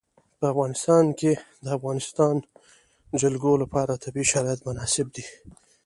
په افغانستان کې د د افغانستان جلکو لپاره طبیعي شرایط مناسب دي.